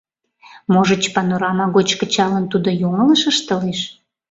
Можыч, «Панорама» гоч кычалын, тудо йоҥылыш ыштылеш?